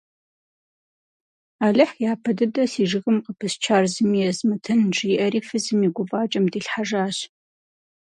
Алыхь япэ дыдэ си жыгым къыпысчар зыми езмытын, – жиӏэри фызым и гуфӏакӏэм дилъхьэжащ.